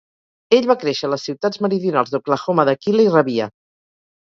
Ell va créixer a les ciutats meridionals d'Oklahoma d'Achille i Ravia.